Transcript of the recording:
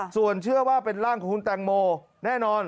ส่วนเชื่อว่าเป็นร่างของคุณแตงโมแน่นอน